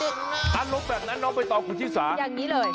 น้ำแบบนั้นออกไปต่อคุณศิษฐานอย่างนี้เลย